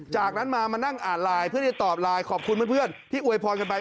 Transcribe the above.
จากนั้นมามานั่งอ่านไลน์เพื่อจะตอบไลน์ขอบคุณเพื่อนที่อวยพรกันไป